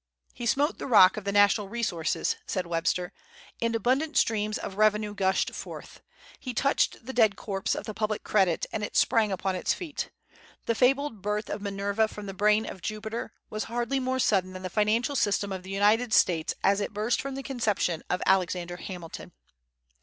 "He smote the rock of the national resources," said Webster, "and abundant streams of revenue gushed forth. He touched the dead corpse of the public credit, and it sprang upon its feet. The fabled birth of Minerva from the brain of Jupiter was hardly more sudden than the financial system of the United States as it burst from the conception of Alexander Hamilton."